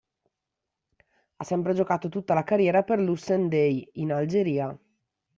Ha sempre giocato tutta la carriera per l'Hussein-Dey, in Algeria.